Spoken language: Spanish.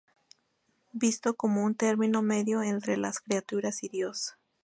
Visto como un termino medio entre las criaturas y Dios.